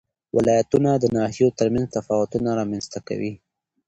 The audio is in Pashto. ولایتونه د ناحیو ترمنځ تفاوتونه رامنځ ته کوي.